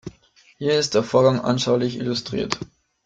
Hier ist der Vorgang anschaulich illustriert.